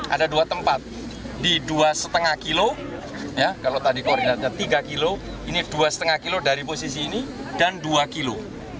ada dua tempat di dua lima kilo kalau tadi koordinatnya tiga kilo ini dua lima kilo dari posisi ini dan dua kilo